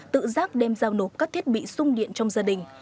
tự giác đem giao nộp các thiết bị sung điện trong gia đình